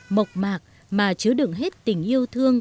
mộc mạc mà chứa đựng hết tình yêu thương